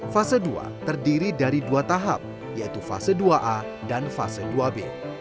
fase dua terdiri dari dua tahap yaitu fase dua a dan fase dua b